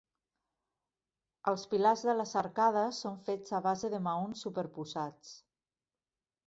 Els pilars de les arcades són fets a base de maons superposats.